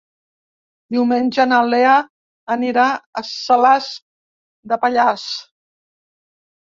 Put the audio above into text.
Diumenge na Lea anirà a Salàs de Pallars.